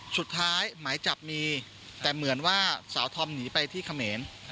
หมายจับมีแต่เหมือนว่าสาวธอมหนีไปที่เขมร